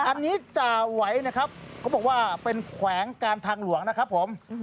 อันนี้จ่าไหวนะครับเขาบอกว่าเป็นแขวงการทางหลวงนะครับผม